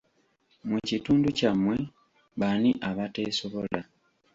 Mu kitundu kyammwe baani abateesobola?